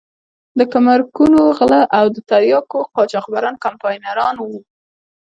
د ګمرکونو غله او د تریاکو قاچاقبران کمپاینران وو.